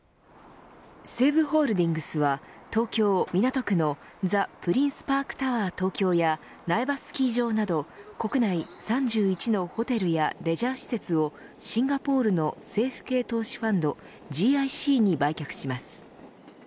西武ホールディングスは東京、港区のザ・プリンスパークタワー東京や苗場スキー場など国内３１のホテルやレジャー施設をシンガポールの政府系投資ファンドＧＩＣに売却します。